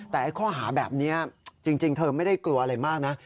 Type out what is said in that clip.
แต่ข้อหาแบบนี้จริงเธอไม่ได้กลัวอะไรมากนะ